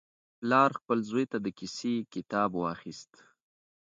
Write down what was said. پلار خپل زوی ته د کیسې کتاب واخیست.